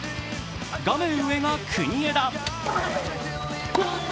画面上が国枝。